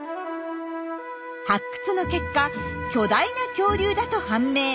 発掘の結果巨大な恐竜だと判明！